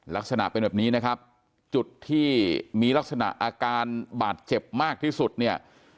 ลักษณะเป็นแบบนี้นะครับจุดที่มีลักษณะอาการบาดเจ็บมากที่สุดเนี่ย